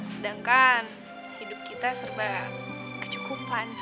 sedangkan hidup kita serba kecukupan